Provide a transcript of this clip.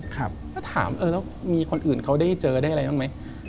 ก็ถามแล้วมีคนอื่นเขาได้เจอได้อะไรบ้างไหม